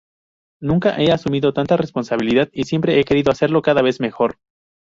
Nunca he asumido tanta responsabilidad y siempre he querido hacerlo cada vez mejor.